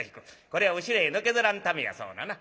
これは後ろへのけぞらんためやそうなな。